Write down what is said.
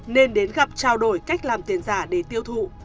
nên đến gặp trao đổi cách làm tiền giả để tiêu thụ